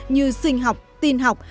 như sinh học tin học